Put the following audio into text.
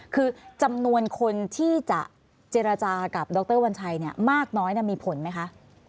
คือจำนวนคนที่จะเจรจากับดรวัญชัยมากน้อยมีผลไหมคะ